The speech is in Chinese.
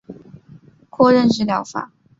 括认知治疗。